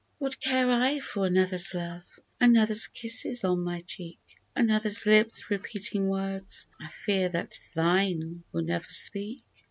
What care I for another's love — Anothefs kisses on my cheek ? Another's lips repeating words I fear that thine will never speak